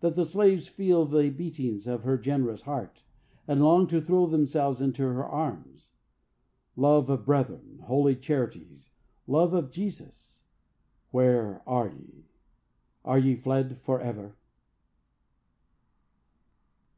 —that the slaves feel the beatings of her generous heart, and long to throw themselves into her arms? Love of brethren, holy charities, love of Jesus,—where are ye?—Are ye fled forever?